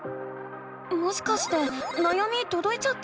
もしかしてなやみとどいちゃった？